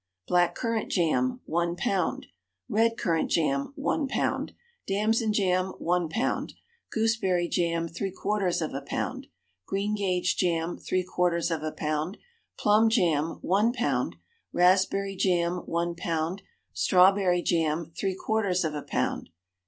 BLACK CURRANT JAM. One pound. RED CURRANT JAM. One pound. DAMSON JAM. One pound. GOOSEBERRY JAM. Three quarters of a pound. GREENGAGE JAM. Three quarters of a pound. PLUM JAM. One pound. RASPBERRY JAM. One pound. STRAWBERRY JAM. Three quarters of a pound.